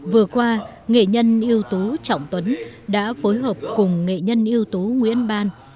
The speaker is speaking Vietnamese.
vừa qua nghệ nhân yếu tố trọng tuấn đã phối hợp cùng nghệ nhân yếu tố nguyễn ban